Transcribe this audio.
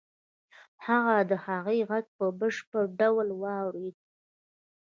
هغه د هغې غږ په بشپړ ډول واورېد.